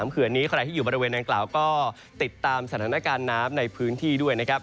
เขื่อนนี้ใครที่อยู่บริเวณนางกล่าวก็ติดตามสถานการณ์น้ำในพื้นที่ด้วยนะครับ